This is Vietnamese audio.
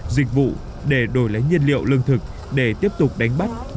dịch vụ để đổi lấy nhiên liệu lương thực để tiếp tục đánh bắt